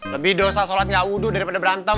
lebih dosa solat gak wudhu daripada berantem